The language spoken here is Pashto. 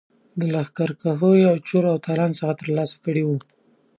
د لښکرکښیو او چور او تالان څخه ترلاسه کړي وه.